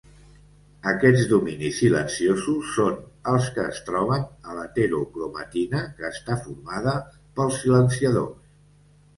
Aquests dominis silenciosos són els que es troben a l'heterocromatina, que està formada pels silenciadors.